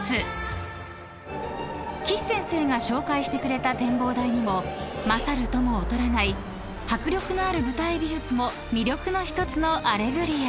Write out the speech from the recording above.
［岸先生が紹介してくれた展望台にも勝るとも劣らない迫力のある舞台美術も魅力の１つの『アレグリア』］